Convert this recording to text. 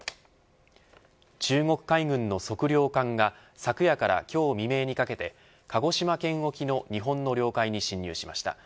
中国海軍の測量艦が昨夜から今日未明にかけて鹿児島県沖の日本の領海に侵入しました。